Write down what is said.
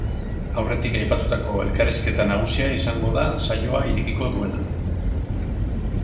Aurretik aipatutako elkarrizketa nagusia izango da saioa irekiko duena.